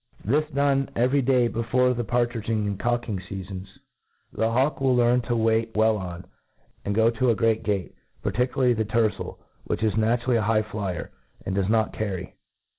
This done every day before the partridgmg and cocking feafons, the hawk tG^ill learn to wait well on, and go to a great gate ; particii krty the tercel, which iJB naturally a high >flyer, and docs not caf ry.